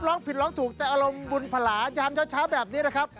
ร้องผิดร้องถูกแต่อารมณ์บุญพลายยามเช้าแบบนี้นะครับ